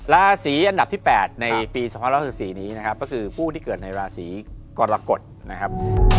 ราศีอันดับที่๘ในปี๒๐๑๔นี้นะครับก็คือผู้ที่เกิดในราศีกรกฎนะครับ